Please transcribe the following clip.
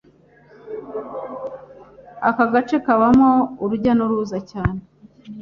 Aka gace kabamo urujya n’uruza cyane